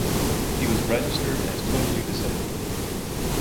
He was registered as totally disabled.